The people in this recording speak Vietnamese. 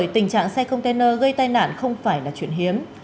tình trạng xe container gây tai nạn không phải là chuyện hiếm